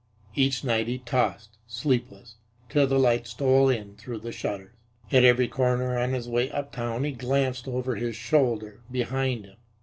Each night he tossed, sleepless, till the light stole in through the shutters. At every corner on his way uptown he glanced over his shoulder behind him.